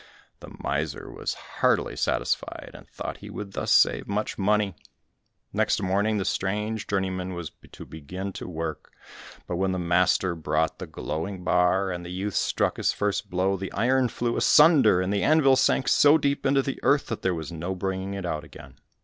The miser was heartily satisfied, and thought he would thus save much money. Next morning, the strange journeyman was to begin to work, but when the master brought the glowing bar, and the youth struck his first blow, the iron flew asunder, and the anvil sank so deep into the earth, that there was no bringing it out again.